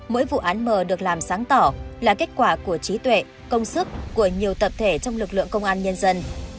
mỗi vụ án mở được làm sáng tỏ là kết quả của trí tuệ công sức của nhiều tập thể trong lực lượng công an nhân dân